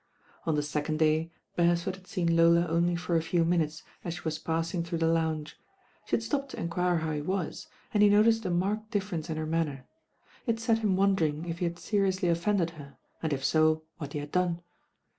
On the second day Beresford had seen Lola only for a few minutes as she was passing through the lounge. She had stopped to enquire how he was, and he noticed a marked difference in her manner. It set him wondering if he had seriously offended her, and if so what he had done.